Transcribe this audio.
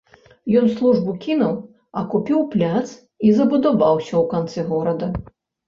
Ён службу кінуў, а купіў пляц і забудаваўся ў канцы горада.